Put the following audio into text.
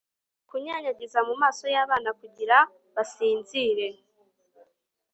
kunyanyagiza mumaso yabana kugira basinzire